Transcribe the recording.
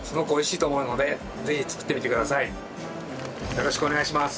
よろしくお願いします。